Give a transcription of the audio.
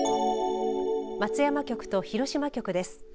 松山局と広島局です。